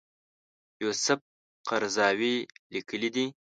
یوسف قرضاوي لیکلي دي.